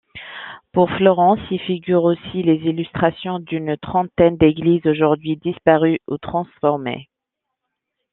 Pour Florence y figurent aussi les illustrations d'une trentaine d'églises aujourd'hui disparues ou transformées.